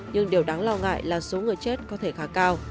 nhưng điều đáng lo ngại là số người chết có thể khá cao